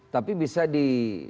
tapi bisa di